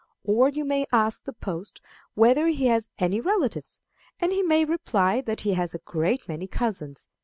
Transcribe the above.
Or you may ask the post whether he has any relatives, and he may reply that he has a great many cousins.